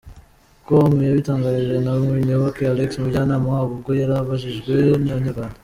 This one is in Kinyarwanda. com yabitangarijwe na Muyoboke Alex umujyanama wabo ubwo yari abajijwe na Inyarwanda.